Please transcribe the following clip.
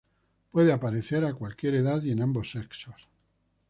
Puede aparecer a cualquier edad y en ambos sexos.